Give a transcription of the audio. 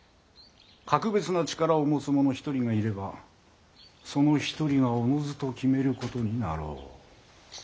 格別な力を持つ者一人がいればその一人がおのずと決めることになろう。